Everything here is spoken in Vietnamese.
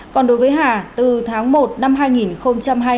còn đối với hà từ tháng một năm hai nghìn hai mươi hai